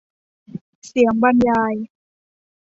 เสียงบรรยาย